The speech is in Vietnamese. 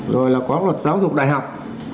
rồi là có luật giáo dục đại học